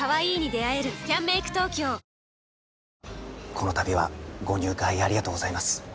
このたびはご入会ありがとうございます